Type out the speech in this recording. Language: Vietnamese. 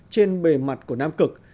trên bề mặt của nam cực